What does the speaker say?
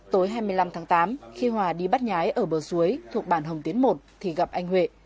tối hai mươi năm tháng tám khi hòa đi bắt nhái ở bờ suối thuộc bản hồng tiến một thì gặp anh huệ